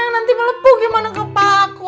nanti melepuh gimana kepaku